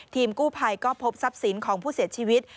ทีมกู้ภัยก็พบทรัพย์สินของผู้เสียชีวิต